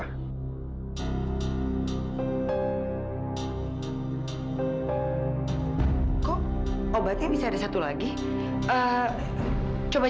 terus ini untuk apa